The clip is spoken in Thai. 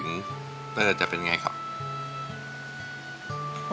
อันดับนี้เป็นแบบนี้